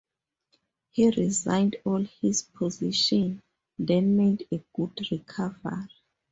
He resigned all his positions, then made a good recovery.